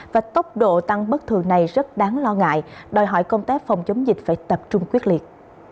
và tốc độ tăng bất thường này rất đáng lo ngại đòi hỏi công tác phòng chống dịch phải tập trung quyết liệt